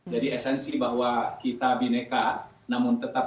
jadi esensi bahwa kita bineka namun tetap ikat